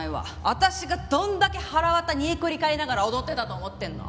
私がどんだけはらわた煮えくり返りながら踊ってたと思ってるの？